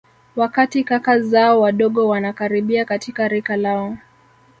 wakati kaka zao wadogo wanakaribia katika rika lao